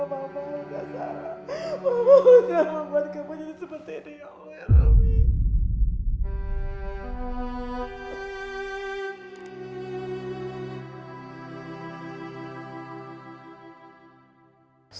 mama bukan salah buat kamu jadi seperti ini ya allah ya rabbi